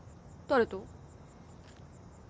誰と？